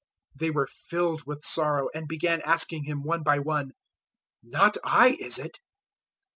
014:019 They were filled with sorrow, and began asking Him, one by one, "Not I, is it?"